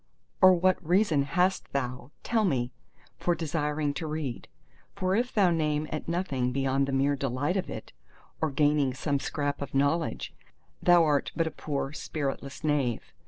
Or what reason hast thou (tell me) for desiring to read? For if thou aim at nothing beyond the mere delight of it, or gaining some scrap of knowledge, thou art but a poor, spiritless knave.